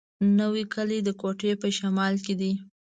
نوی کلی د کوټي په شمال کي دی.